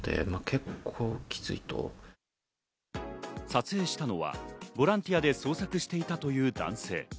撮影したのはボランティアで捜索していたという男性。